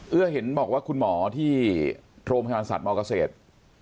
เอื้อเห็นบอกว่าคุณหมอที่โทรมชาญสัตว์หมอกเกษตร